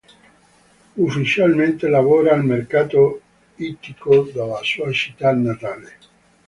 Ufficialmente lavora al mercato ittico della sua città natale.